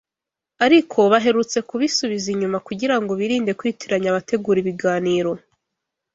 ariko baherutse kubisubiza inyuma kugirango birinde kwitiranya abategura ibiganiro: